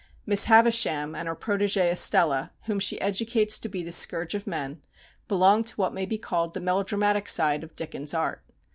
Miss Havisham and her protégée, Estella, whom she educates to be the scourge of men, belong to what may be called the melodramatic side of Dickens' art.